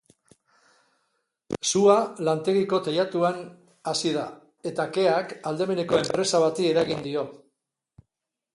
Sua lantegiko teilatuan hasi da eta keak aldameneko enpresa bati eragin dio.